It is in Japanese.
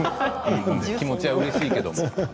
気持ちは、うれしいけれど。